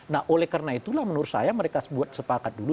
nah oleh karena itulah menurut saya mereka buat sepakat dulu